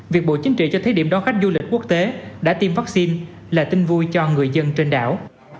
việc bộ chính trị cho thí điểm đón khách du lịch quốc tế đã tiêm vaccine là tin vui cho người dân trên đảo